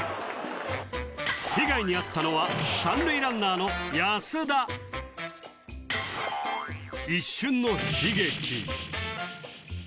被害に遭ったのは３塁ランナーの安田一瞬の悲劇